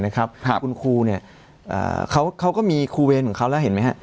คุณครูเขาก็มีครูเวรของเขาแล้วเห็นไหมฮะ